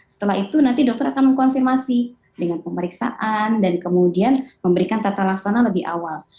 setelah itu nanti dokter akan mengkonfirmasi dengan pemeriksaan dan kemudian memberikan tata laksana lebih awal